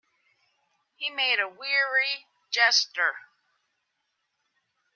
He made a weary gesture.